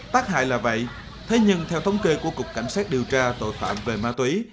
tác hại là vậy thế nhưng theo thống kê của cục cảnh sát điều tra tội phạm về ma túy